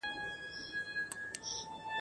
سرونه پرې کړي مالونه یوسي !.